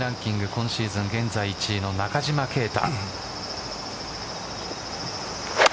今シーズン現在１位の中島啓太。